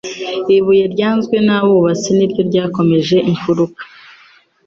ibuye ryanzwe nabubatsi niryo ryakomeje imfuruka